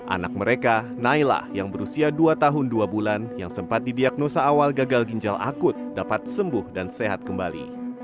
anak mereka naila yang berusia dua tahun dua bulan yang sempat didiagnosa awal gagal ginjal akut dapat sembuh dan sehat kembali